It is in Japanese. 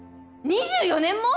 ２４年も！？